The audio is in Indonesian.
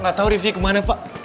gak tau rifki kemana pak